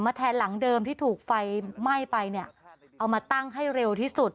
แทนหลังเดิมที่ถูกไฟไหม้ไปเนี่ยเอามาตั้งให้เร็วที่สุด